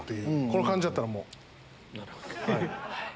この感じだったらもうはい。